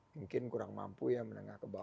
mungkin kurang mampu ya menangani